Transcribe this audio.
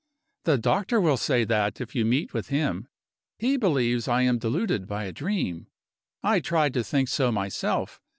"The doctor will say that, if you meet with him. He believes I am deluded by a dream. I tried to think so myself.